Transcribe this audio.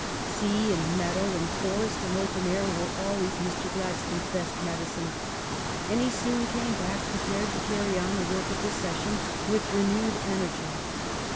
Sea and meadow and forest and open air were always Mr. Gladstone's best medi cine, and he soon came back prepared to carry on the work of the session with renewed energy.